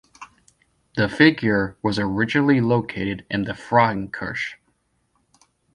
The figure was originally located in the Frauenkirche.